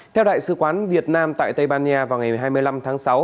theo đại sứ quán việt nam tại tây ban nha vào ngày hai mươi năm tháng sáu